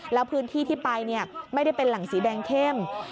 แล้วพื้นที่ที่ไปไม่ได้เป็นแหล่งสีแดงเข้ม